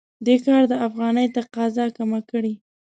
دې کار د افغانۍ تقاضا کمه کړې.